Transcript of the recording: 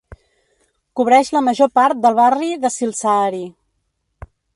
Cobreix la major part del barri de Siltasaari.